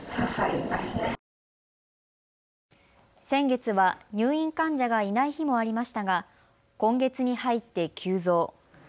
先月は入院患者がいない日もありましたが今月に入って急増。